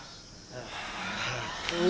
ああ。